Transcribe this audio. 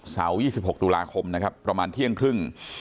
๒๖ตุลาคมนะครับประมาณเที่ยงครึ่ง